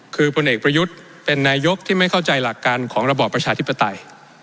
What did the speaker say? คือพลเอกประยุทธ์เป็นนายกที่ไม่เข้าใจหลักการของระบอบประชาธิปไตย